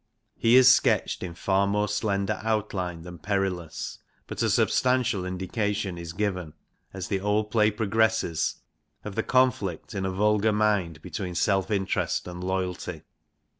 He is sketched in far more slender outline than Perillus, but a substantial indication INTRODUCTION xxxiii is given, as the old play progresses, of the conflict in a vulgar mind between self interest and loyalty.